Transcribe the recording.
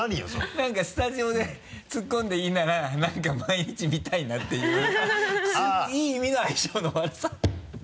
何かスタジオで突っ込んでいいなら何か毎日見たいなっていういい意味の相性の悪さ